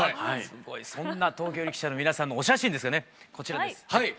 そんな東京力車の皆さんのお写真ですがこちらです。